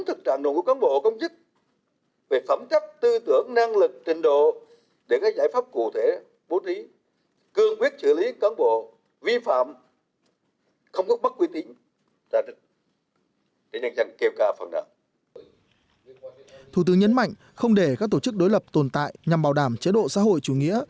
thủ tướng nhấn mạnh không để các tổ chức đối lập tồn tại nhằm bảo đảm chế độ xã hội chủ nghĩa